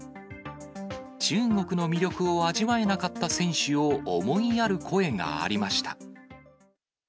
中国の魅力を味わえなかった選手を思いやる声がありました。